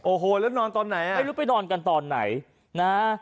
โอ้โหแล้วนอนตอนไหนอ่ะไม่รู้ไปนอนกันตอนไหนนะ